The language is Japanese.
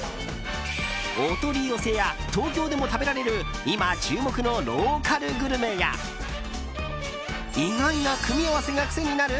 お取り寄せや東京でも食べられる今、注目のローカルグルメや意外な組み合わせが癖になる？